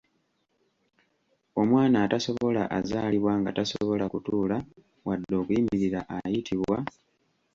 Omwana atasobola azaalibwa nga tasobola kutuula wadde okuyimirira ayitibwa?